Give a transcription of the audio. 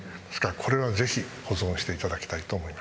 これは、ぜひ保存していただきたいと思います。